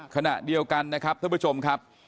ขณะเดียวกันนะครับท่านผู้ชมครับ